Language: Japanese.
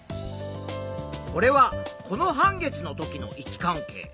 これはこの半月の時の位置関係。